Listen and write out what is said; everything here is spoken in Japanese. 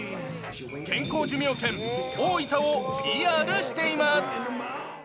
健康寿命県、大分をＰＲしています。